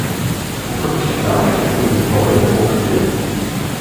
Urkundliche Nachrichten über den Bau der Burg fehlen.